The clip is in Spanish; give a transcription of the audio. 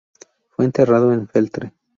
Fue enterrado en Feltre.